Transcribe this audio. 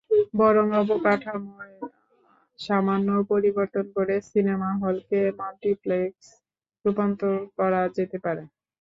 বরং অবকাঠামোয় সামান্য পরিবর্তন করে সিনেমা হলগুলোকে মাল্টিপ্লেক্সে রূপান্তর করা যেতে পারে।